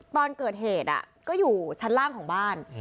ตอนเกิดเหตุก็อยู่ชั้นล่างของบ้าน